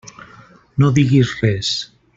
No diguis res.